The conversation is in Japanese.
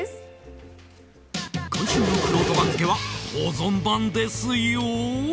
今週のくろうと番付は保存版ですよ！